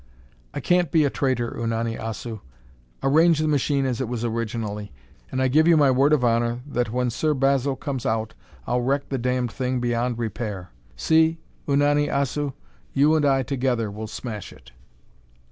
"I can't be a traitor, Unani Assu! Arrange the machine as it was originally, and I give you my word of honor than when Sir Basil comes out, I'll wreck the damned thing beyond repair. See, Unani Assu? You and I together will smash it."